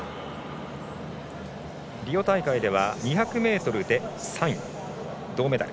リオ大会では２００ｍで３位、銅メダル。